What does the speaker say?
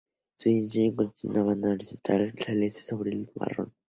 Su diseño consistía en una banda horizontal celeste sobre fondo marrón.